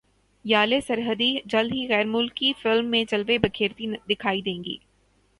ژالے سرحدی جلد ہی غیر ملکی فلم میں جلوے بکھیرتی دکھائی دیں گی